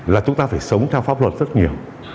là chúng ta phải sống theo pháp luật rất nhiều